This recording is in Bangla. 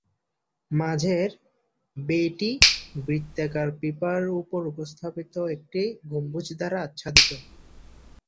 মাঝের ‘বে’ টি বৃত্তাকার পিপার উপর স্থাপিত একটি গম্বুজ দ্বারা আচ্ছাদিত।